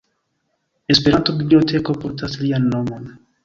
Esperanto-biblioteko portas lian nomon.